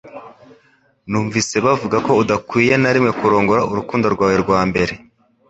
Numvise bavuga ko udakwiye na rimwe kurongora urukundo rwawe rwa mbere